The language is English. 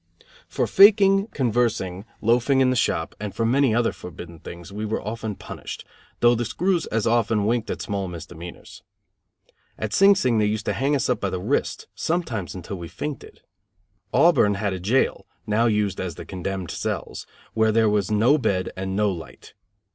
For faking, conversing, loafing in the shop, and for many other forbidden things, we were often punished, though the screws as often winked at small misdemeanors. At Sing Sing they used to hang us up by the wrists sometimes until we fainted. Auburn had a jail, now used as the condemned cells, where there was no bed and no light.